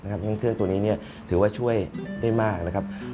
เพราะฉะนั้นเครื่องตัวนี้ถือว่าช่วยได้มากนะครับ